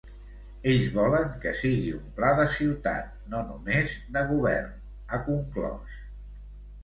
Ells volen que sigui un pla de ciutat, no només de govern, ha conclòs.